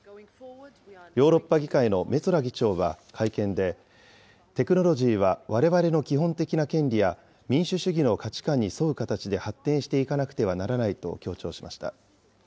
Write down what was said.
ヨーロッパ議会のメツォラ議長は会見で、テクノロジーはわれわれの基本的な権利や民主主義の価値観に沿う形で発展していかなくてはならないと強調しました。